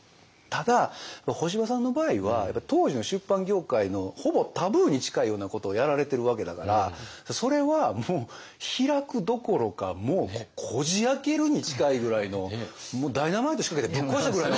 ただ干場さんの場合は当時の出版業界のほぼタブーに近いようなことをやられてるわけだからそれはもう開くどころかもうこじあけるに近いぐらいのもうダイナマイト仕掛けてぶっ壊したぐらいの。